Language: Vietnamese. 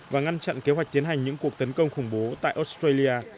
và ngăn chặn kế hoạch tiến hành những cuộc tấn công khủng bố tại australia